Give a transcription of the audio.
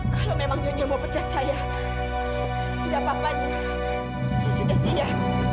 kalau memang nyonya mau pecat saya tidak apa apanya saya sudah siap